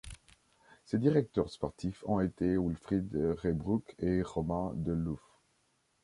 Ses directeurs sportifs ont été Wilfried Reybrouck et Romain Deloof.